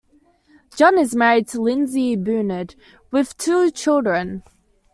John is married to Lindsay Benaud with two children.